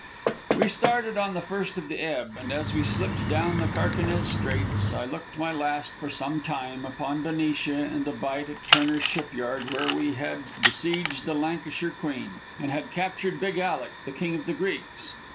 We started on the first of the ebb, and as we slipped down the Carquinez Straits, I looked my last for some time upon Benicia and the bight at Turner's Shipyard, where we had besieged the Lancashire Queen, and had captured Big Alec, the King of the Greeks.